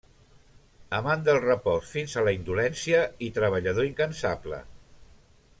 Amant del repòs, fins a la indolència, i treballador incansable.